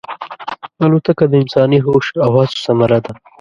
الوتکه د انساني هوش او هڅو ثمره ده.